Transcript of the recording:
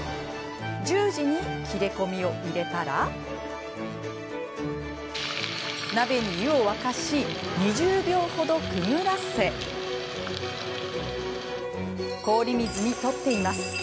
十字に切れ込みを入れたら鍋に湯を沸かし２０秒程くぐらせ氷水に取っています。